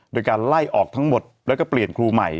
โดยการไล่ออกทั้งหมดแล้วก็เปลี่ยนครูใหม่